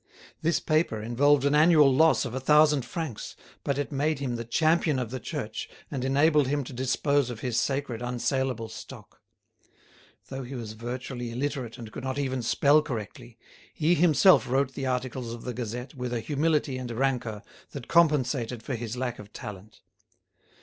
This paper involved an annual loss of a thousand francs, but it made him the champion of the Church, and enabled him to dispose of his sacred unsaleable stock. Though he was virtually illiterate and could not even spell correctly, he himself wrote the articles of the "Gazette" with a humility and rancour that compensated for his lack of talent.